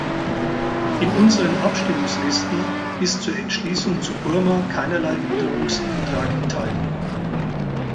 In unseren Abstimmungslisten ist zur Entschließung zu Burma keinerlei Änderungsantrag enthalten.